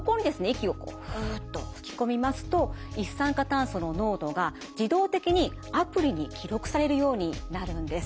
息をふうっと吹き込みますと一酸化炭素の濃度が自動的にアプリに記録されるようになるんです。